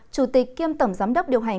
chủ tịch kiêm tẩm giám đốc điều hành